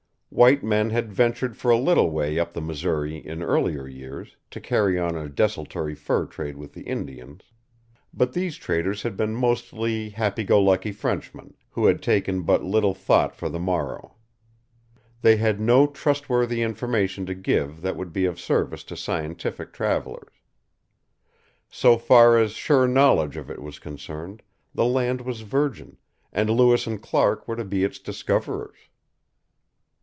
White men had ventured for a little way up the Missouri in earlier years, to carry on a desultory fur trade with the Indians; but these traders had been mostly happy go lucky Frenchmen, who had taken but little thought for the morrow. They had no trustworthy information to give that would be of service to scientific travelers. So far as sure knowledge of it was concerned, the land was virgin, and Lewis and Clark were to be its discoverers.